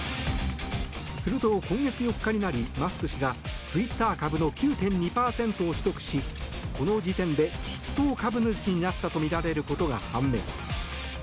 すると今月４日になりマスク氏がツイッター株の９．２％を取得しこの時点で筆頭株主になったとみられることが判明。